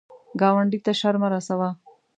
ګاونډي ته شر مه رسوه